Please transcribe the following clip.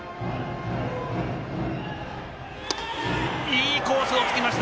いいコースをつきました！